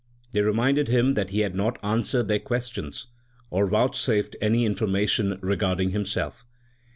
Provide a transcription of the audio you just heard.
They reminded him that he had not answered their questions, or vouch safed any information regarding himself.